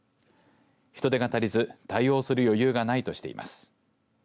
人手が足りず対応する余裕がないとしています。